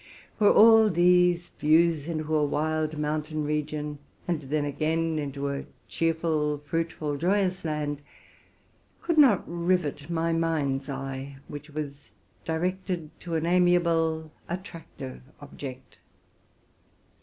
For all these views of a wild mountain region, and then, again, of a cheerful, fruitful, joyous land, could not rivet my mind's eye, which was directed to an amiable, attractive object.